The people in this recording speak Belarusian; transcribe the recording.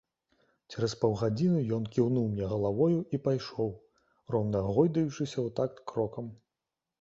Цераз паўгадзіны ён кіўнуў мне галавою і пайшоў, роўна гойдаючыся ў такт крокам.